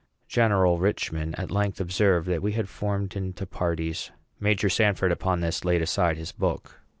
General Richman at length observed that we had formed into parties. Major Sanford, upon, this, laid aside his book.